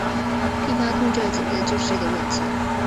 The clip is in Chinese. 并发控制要解决的就是这类问题。